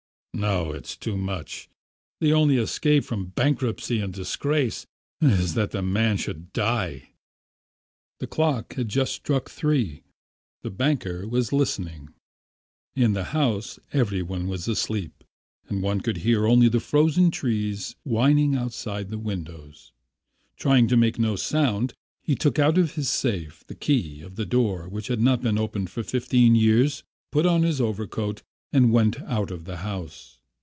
No, it's too much! The only escape from bankruptcy and disgrace is that the man should die." The clock had just struck three. The banker was listening. In the house every one was asleep, and one could hear only the frozen trees whining outside the windows. Trying to make no sound, he took out of his safe the key of the door which had not been opened for fifteen years, put on his overcoat, and went out of the house.